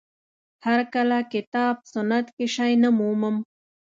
هر کله کتاب سنت کې شی نه مومم